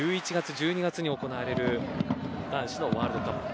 １１月、１２月に行われる男子のワールドカップ。